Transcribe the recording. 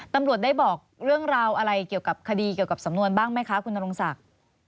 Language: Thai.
ตำรวจได้บอกเรื่องราวอะไรเกี่ยวกับคดีเกี่ยวกับสำนวนบ้างไหมคะคุณนรงศักดิ์